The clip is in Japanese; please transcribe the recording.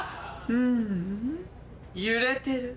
ううん揺れてる。